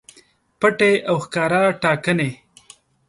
پټې او ښکاره ټاکنې